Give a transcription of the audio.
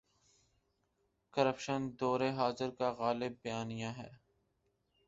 Corruption دور حاضر کا غالب بیانیہ ہے۔